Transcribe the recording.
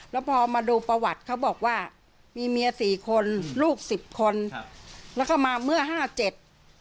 แล้วพอมาดูประวัติเขาบอกว่ามีเมียสี่คนลูกสิบคนครับแล้วก็มาเมื่อห้าเจ็ด